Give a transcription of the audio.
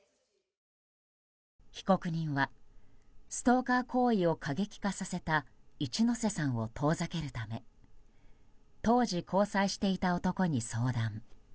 被告人はストーカー行為を過激化させた一ノ瀬さんを遠ざけるため当時、交際していた男に相談。